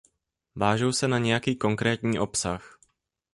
Vážou se na nějaký konkrétní obsah.